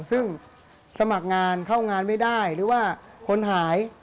ซึ่งสมัครงานเข้างานไม่ได้หรือว่าคนหาย